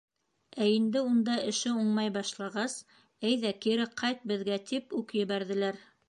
Ә инде унда эше уңмай башлағас, әйҙә, кире ҡайт беҙгә, тип үк ебәрҙеләр.